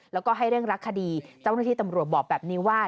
แล้วก็ให้เรื่องรักคดีเจ้าหน้าที่ตำรวจบอกแบบนี้ว่า